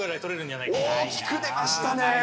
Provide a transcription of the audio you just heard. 大きく出ましたね。